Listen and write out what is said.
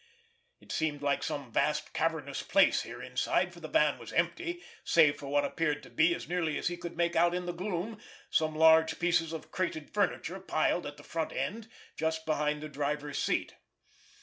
It seemed like some vast cavernous place here inside, for the van was empty, save for what appeared to be, as nearly as he could make out in the gloom, some large pieces of crated furniture piled at the front end just behind the driver's seat.